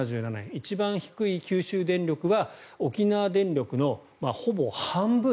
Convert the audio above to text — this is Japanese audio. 一番低い九州電力は沖縄電力のほぼ半分。